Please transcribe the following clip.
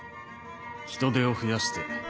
人手を増やして。